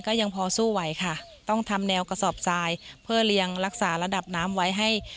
ก็ยังพอสู้ไหวค่ะต้องทำแนวกระสอบทรายเพื่อเลี้ยงรักษาระดับน้ำไว้ให้